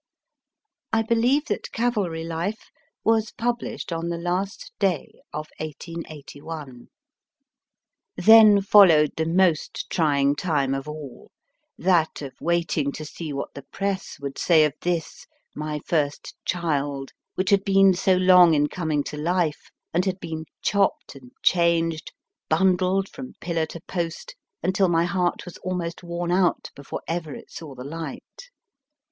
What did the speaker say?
I believe that Cavalry Life was published on the last day of 1881. Then followed the most trying time of all that of waiting to see what the Press would say of this, my first child, which had been so long in coming to life, and had been chopped and changed, bundled from pillar to post, until my heart was almost worn out before ever it saw the light.